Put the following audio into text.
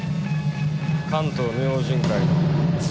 関東明神会の渡だ。